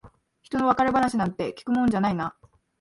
ひとの別れ話なんて聞くもんじゃないな。